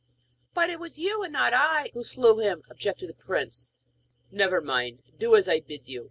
'But it was you, and not I, who slew him,' objected the prince. 'Never mind; do as I bid you.